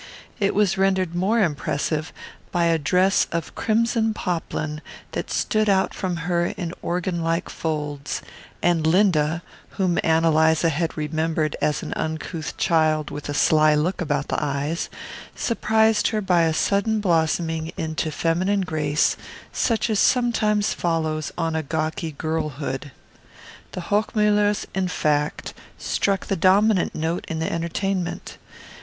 It was rendered more impressive by a dress of crimson poplin that stood out from her in organ like folds; and Linda, whom Ann Eliza had remembered as an uncouth child with a sly look about the eyes, surprised her by a sudden blossoming into feminine grace such as sometimes follows on a gawky girlhood. The Hochmullers, in fact, struck the dominant note in the entertainment.